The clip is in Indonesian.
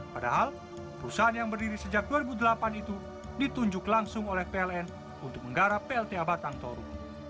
padahal perusahaan yang berdiri sejak dua ribu delapan itu ditunjuk langsung oleh pln untuk menggarap plta batang toru